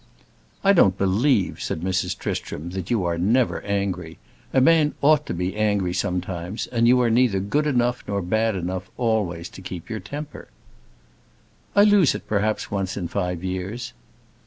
"I don't believe," said Mrs. Tristram, "that you are never angry. A man ought to be angry sometimes, and you are neither good enough nor bad enough always to keep your temper." "I lose it perhaps once in five years."